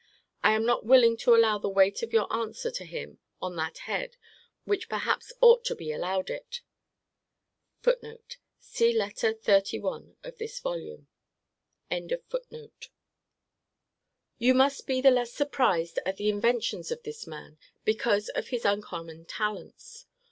I am not willing to allow the weight of your answer to him on that head, which perhaps ought to be allowed it.* * See Letter XXXI. of this volume. You must be the less surprised at the inventions of this man, because of his uncommon talents.